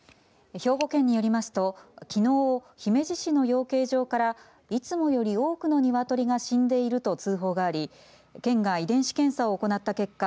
兵庫県によりますときのう、姫路市の養鶏場からいつもより多くのニワトリが死んでいると通報があり県が遺伝子検査を行った結果